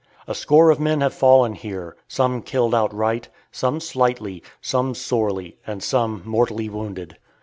A score of men have fallen here, some killed outright, some slightly, some sorely, and some mortally wounded.